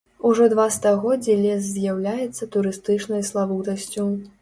Ужо два стагоддзі лес з'яўляецца турыстычнай славутасцю.